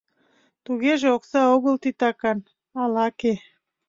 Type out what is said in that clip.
Тугеже окса огыл титакан, а лаке.